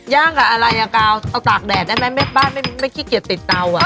ย่างกับอะไรอ่ะกาวเอาตากแดดได้ไหมบ้านไม่ขี้เกียจติดเตาอ่ะ